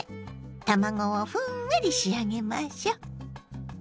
卵をふんわり仕上げましょ。